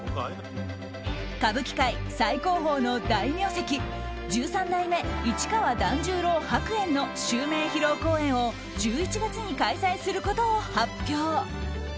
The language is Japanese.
歌舞伎界最高峰の大名跡十三代目市川團十郎白猿の襲名披露公演を１１月に開催することを発表。